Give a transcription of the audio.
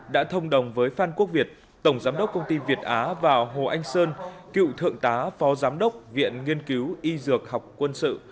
đã thông đồng với phan quốc việt tổng giám đốc công ty việt á và hồ anh sơn cựu thượng tá phó giám đốc viện nghiên cứu y dược học quân sự